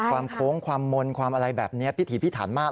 โค้งความมนต์ความอะไรแบบนี้พิถีพิถันมาก